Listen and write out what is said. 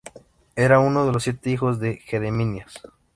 Era uno de los siete hijos de Gediminas.